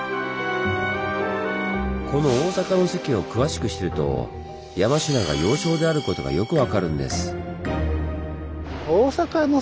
この坂関を詳しく知ると山科が要衝であることがよく分かるんです。